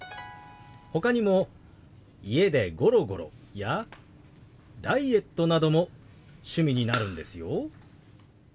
ほかにも「家でゴロゴロ」や「ダイエット」なども趣味になるんですよ。